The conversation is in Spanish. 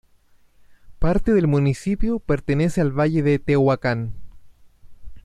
Parte del municipio pertenece al valle de Tehuacán.